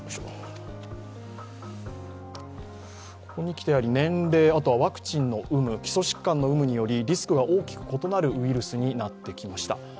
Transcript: ここにきて年齢、ワクチンの有無、基礎疾患の有無によりリスクが大きく異なるウイルスになってきました。